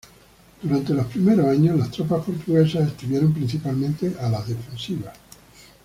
Durante los primeros años las tropas portuguesas estuvieron principalmente a la defensiva.